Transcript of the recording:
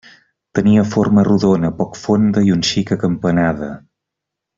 Tenia forma rodona, poc fonda i un xic acampanada.